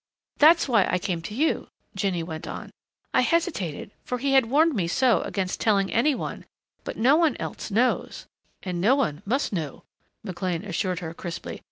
"That's why I came to you," Jinny went on. "I hesitated, for he had warned me so against telling any one, but no one else knows " "And no one must know," McLean assured her crisply.